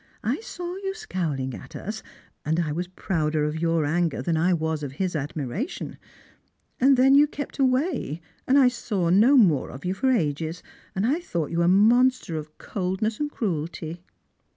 " I saw you scowling at us, and I was prouder of your anger than I was of his admiration ; and then you kept away, and I saw no more of you for ages, and I thought you a monster of coldness and cruelty."